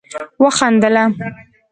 وخندله